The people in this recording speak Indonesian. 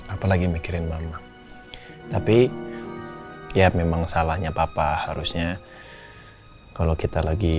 apalagi mikirin mama tapi ya memang salahnya papa harusnya kalau kita lagi